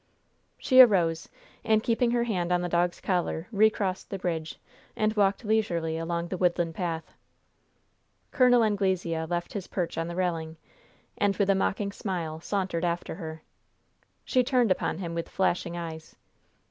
She arose, and keeping her hand on the dog's collar, recrossed the bridge, and walked leisurely along the woodland path. Col. Anglesea left his perch on the railing, and, with a mocking smile, sauntered after her. She turned upon him with flashing eyes.